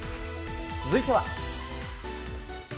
続いては。